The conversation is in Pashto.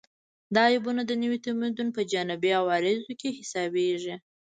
دا عیبونه د نوي تمدن په جانبي عوارضو کې حسابېږي